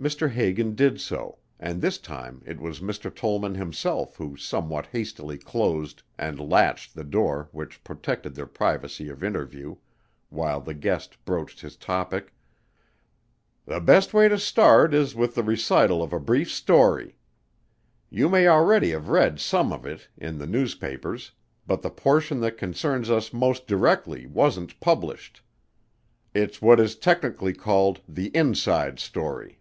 Mr. Hagan did so, and this time it was Mr. Tollman himself who somewhat hastily closed and latched the door which protected their privacy of interview, while the guest broached his topic. "The best way to start is with the recital of a brief story. You may already have read some of it in the newspapers but the portion that concerns us most directly wasn't published. It's what is technically called the 'inside story.'"